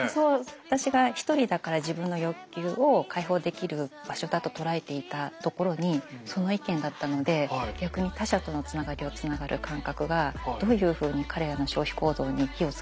私が一人だから自分の欲求を解放できる場所だと捉えていたところにその意見だったので逆に他者とのつながりをつながる感覚がどういうふうに彼らの消費行動に火をつけてるのかなというのは。